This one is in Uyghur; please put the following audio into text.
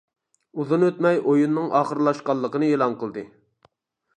ئۇزۇن ئۆتمەي ئويۇننىڭ ئاخىرلاشقانلىقىنى ئېلان قىلدى.